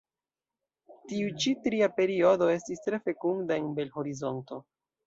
Tiu ĉi tria periodo estis tre fekunda en Bel-Horizonto.